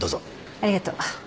ありがとう。